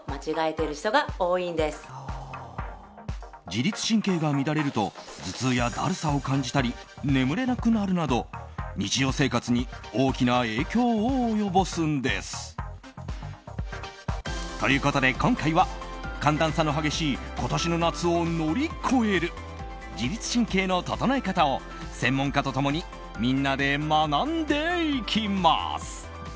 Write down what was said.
自律神経が乱れると頭痛や、だるさを感じたり眠れなくなるなど日常生活に大きな影響を及ぼすんです。ということで、今回は寒暖差の激しい今年の夏を乗り越える自律神経の整え方を専門家と共にみんなで学んでいきます。